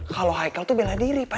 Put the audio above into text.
kalau michael tuh bela diri pak